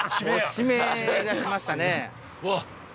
締め出しましたね。